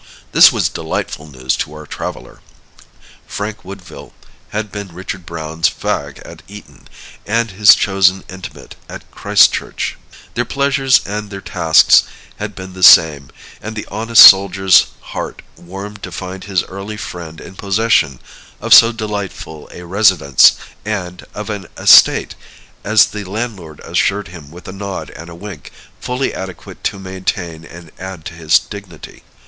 This was delightful news to our traveler. Frank Woodville had been Richard Browne's fag at Eton and his chosen intimate at Christ Church; their pleasures and their tasks had been the same; and the honest soldier's heart warmed to find his early friend in possession of so delightful a residence, and of an estate, as the landlord assured him with a nod and a wink, fully adequate to maintain and add to his dignity.